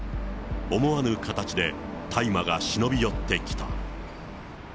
思わぬ形で大麻が忍び寄ってきた。